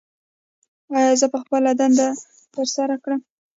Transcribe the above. ایا زه به خپله دنده ترسره کړم؟